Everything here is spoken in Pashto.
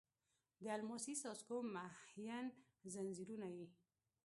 د الماسې څاڅکو مهین ځنځیرونه یې